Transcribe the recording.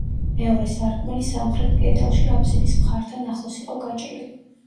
მეორე სარკმელი სამხრეთ კედელში აფსიდის მხართან ახლოს იყო გაჭრილი.